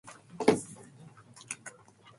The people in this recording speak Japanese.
たたかうマヌカハニー